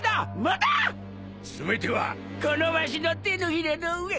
全てはこのわしの手のひらの上！